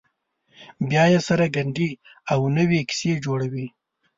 بیا یې سره ګنډي او نوې کیسې جوړوي.